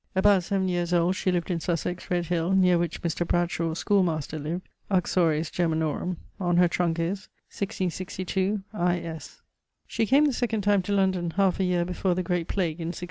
About 7 yeares old she lived in Sussex, Redhill, neer which Mr. Bradshaw, schoolmaster, lived uxores germanorum. On her trunk is: 1662, I. Ƨ. She came the second time to London halfe a yeare before the great plague in 1665.